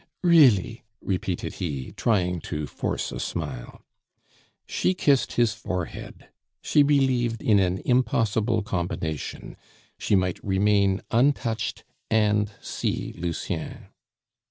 "Really!" repeated he, trying to force a smile. She kissed his forehead; she believed in an impossible combination she might remain untouched and see Lucien.